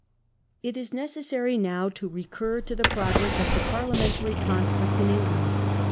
It is necessary now to recur to the progress of the par liamentary conflict in England.